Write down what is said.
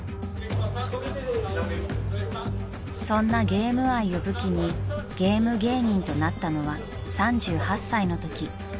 ［そんなゲーム愛を武器にゲーム芸人となったのは３８歳のとき］